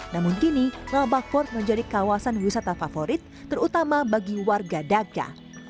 namun kini labag fort menjadi kawasan wisata favorit terutama bagi warga daga